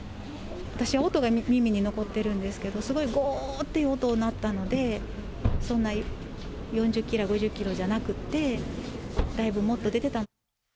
私は音が耳に残ってるんですけど、すごいごーって音鳴ったので、そんな４０キロ、５０キロじゃなくて、だいぶもっと出てた。